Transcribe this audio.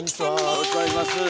よろしくお願いします。